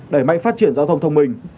đẩy mạnh phát triển giao thông thông minh